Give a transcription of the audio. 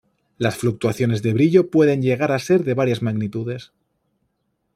Las fluctuaciones de brillo pueden llegar a ser de varias magnitudes.